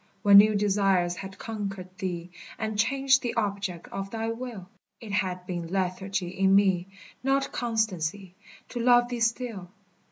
When new desires had conquered thee, And changed the object of thy will, It had been lethargy in me, Not constancy, to love thee still.